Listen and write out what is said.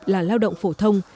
là lao động phổ thông